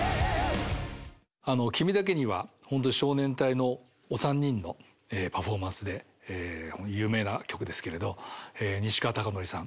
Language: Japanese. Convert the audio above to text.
「君だけに」は本当少年隊のお三人のパフォーマンスで有名な曲ですけれど西川貴教さん